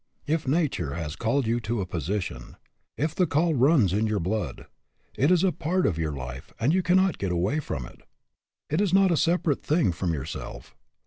If nature has called you to a position, if the call runs in your blood, it is a part of your life and you cannot get away from it. It is not a separate thing from yourself.